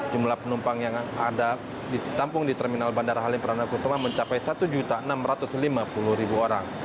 jumlah penumpang yang ada ditampung di terminal bandara halim perdana kusuma mencapai satu enam ratus lima puluh orang